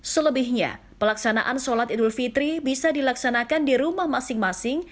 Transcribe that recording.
selebihnya pelaksanaan sholat idul fitri bisa dilaksanakan di rumah masing masing